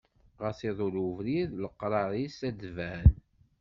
Ɣas iḍul ubrid d uleqrar-is ad d-tban.